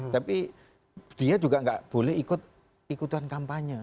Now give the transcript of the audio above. tapi dia juga enggak boleh ikut ikutan kampanye